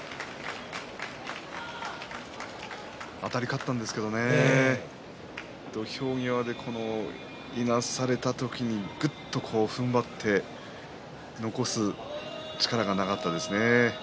あたり勝ったんですけど土俵際でいなされた時にぐっとふんばって残す力がなかったですね。